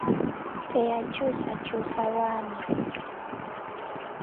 Teyakyusakyusa bwami.